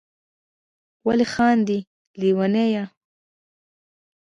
ولي خاندی ليونيه